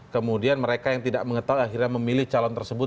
kemudian mereka yang tidak mengetahui akhirnya memilih calon tersebut